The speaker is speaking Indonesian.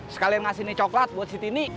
sekalian ngasih ini coklat buat si tini